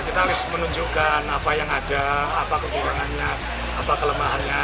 kita harus menunjukkan apa yang ada apa kekurangannya apa kelemahannya